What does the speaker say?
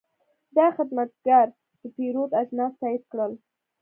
دا خدمتګر د پیرود اجناس تایید کړل.